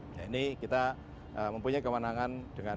nah ini kita mempunyai kewenangan dengan